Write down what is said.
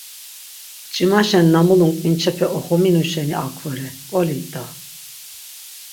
Mç̆imaşen na mulun k̆vinçepe oxominu şeni ak vore k̆oli da.